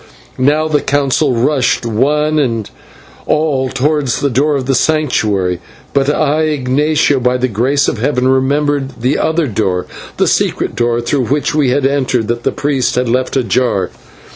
Now the Council rushed one and all towards the door of the Sanctuary; but I, Ignatio, by the grace of Heaven, remembered the outer door, the secret door through which we had entered, that the priest had left ajar.